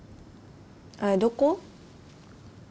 あれどこ？